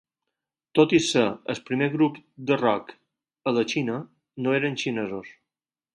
Tot i ser el primer grup de rock a la Xina, no eren xinesos.